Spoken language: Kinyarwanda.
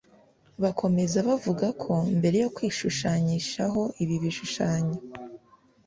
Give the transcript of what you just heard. Bakomeza bavuga ko mbere yo kwishushanyishaho ibi bishushanyo